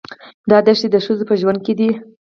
دا دښتې د ښځو په ژوند کې دي.